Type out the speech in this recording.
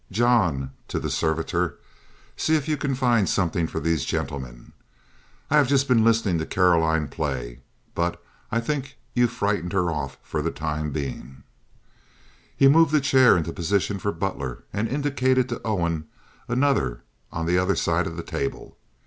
John"—to the servitor— "see if you can find something for these gentlemen. I have just been listening to Caroline play; but I think you've frightened her off for the time being." He moved a chair into position for Butler, and indicated to Owen another on the other side of the table.